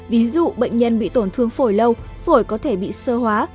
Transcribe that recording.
ví dụ bệnh nhân bị tổn thương phổi lâu phổi có thể bị sơ hóa